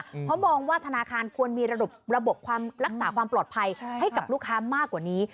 เพราะมองว่าธนาคารควรมีระบบความรักษาความปลอดภัยให้กับลูกค้ามากกว่านี้